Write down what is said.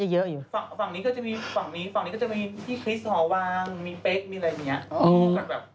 การเปลี่ยน